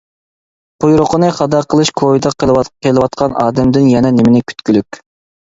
قۇيرۇقىنى خادا قىلىش كويىدا قېلىۋاتقان ئادەمدىن يەنە نېمىنى كۈتكۈلۈك.